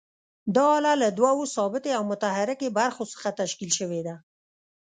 دا آله له دوو ثابتې او متحرکې برخو څخه تشکیل شوې ده.